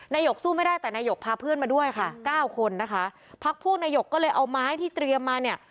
นายกสู้ไม่ได้แต่นายกพาเพื่อนมาด้วยค่ะเก้าคนนะคะพักพวกนายกก็เลยเอาไม้ที่เตรียมมาเนี่ย